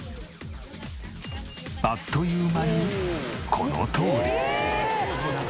あっという間にこのとおり。